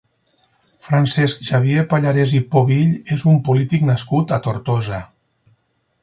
Francesc Xavier Pallarès i Povill és un polític nascut a Tortosa.